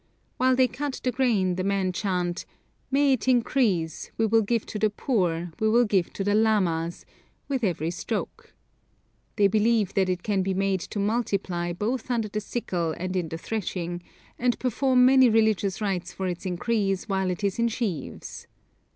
While they cut the grain the men chant, 'May it increase, We will give to the poor, we will give to the lamas,' with every stroke. They believe that it can be made to multiply both under the sickle and in the threshing, and perform many religious rites for its increase while it is in sheaves.